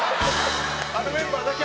あのメンバーだけ。